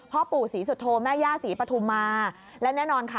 พ่อปู่ศรีสุโธแม่ย่าศรีปฐุมาและแน่นอนค่ะ